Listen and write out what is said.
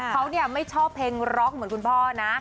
เขาไม่ชอบเพลงร็อกเหมือนคุณพ่อนะ